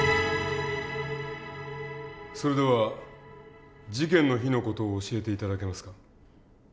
それでは事件の日の事を教えて頂けますか？